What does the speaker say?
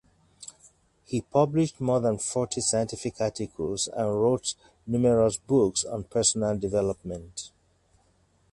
He published more than forty scientific articles and wrote numerous books on personal development.